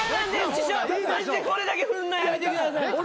師匠マジでこれだけ振んのやめてください。